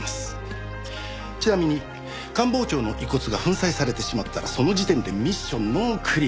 ちなみに官房長の遺骨が粉砕されてしまったらその時点でミッションノークリア。